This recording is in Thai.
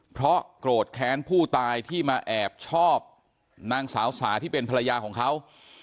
เพราะโกรธแค้นผู้ตายที่มาแอบชอบนางสาวสาที่เป็นภรรยาของเขา